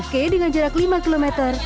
lima k dengan jarak lima km